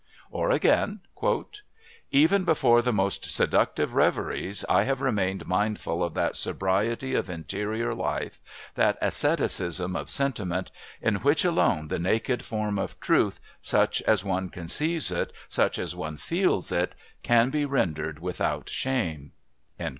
Or again: "Even before the most seductive reveries I have remained mindful of that sobriety of interior life, that asceticism of sentiment, in which alone the naked form of truth, such as one conceives it, such as one feels it, can be rendered without shame."